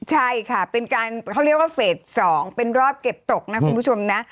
ใช่ค่ะเป็นการเขาเรียกว่าเฟส๒เป็นรอบเก็บตกนะคุณผู้ชมนะ